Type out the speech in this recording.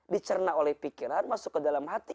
dicerna oleh pikiran masuk ke dalam hati